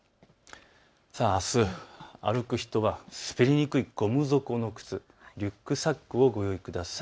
あす、歩く人は滑りにくいゴム底の靴、リュックサックをご用意ください。